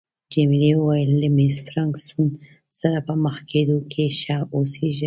جميلې وويل: له مېس فرګوسن سره په مخ کېدو کې ښه اوسیږه.